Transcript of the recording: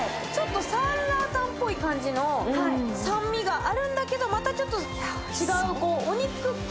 ちょっと酸辣湯っぽい感じの酸味があるんだけどまたちょっと違う。